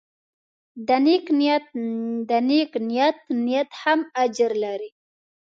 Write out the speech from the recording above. د نیک نیت نیت هم اجر لري.